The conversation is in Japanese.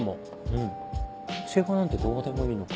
うんシェーバーなんてどうでもいいのか。